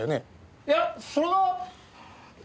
いやそれは。